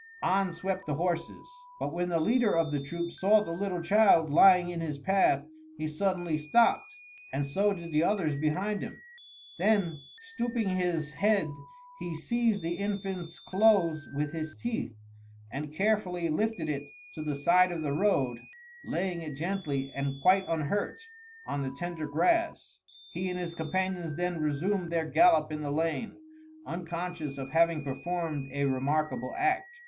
On swept the horses; but when the leader of the troop saw the little child lying in his path, he suddenly stopped, and so did the others behind him. Then stooping his head, he seized the infant's clothes with his teeth, and carefully lifted it to the side of the road, laying it gently and quite unhurt on the tender grass. He and his companions then resumed their gallop in the lane, unconscious of having performed a remarkable act.